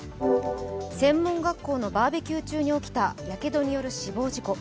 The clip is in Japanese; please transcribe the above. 専門学校のバーベキュー中に起きたやけどによる死亡事故。